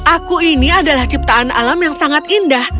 aku ini adalah ciptaan alam yang sangat indah